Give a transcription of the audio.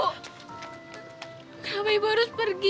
kenapa ibu harus pergi